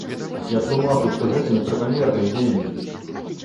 Я тлумачыў, што гэта неправамерныя дзеянні!